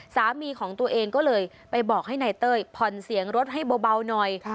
สามีของตัวเองก็เลยไปบอกให้นายเต้ยผ่อนเสียงรถให้เบาหน่อย